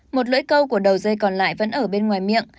một lưỡi câu của đầu dây còn lại vẫn ở bên ngoài miệng